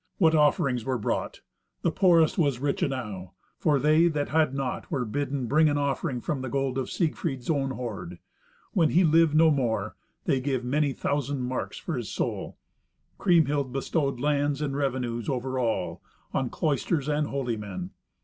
What offerings were brought! The poorest was rich enow, for they that had naught were bidden bring an offering from the gold of Siegfried's own hoard. When he lived no more, they gave many thousand marks for his soul. Kriemhild bestowed lands and revenues over all, on cloisters and holy men.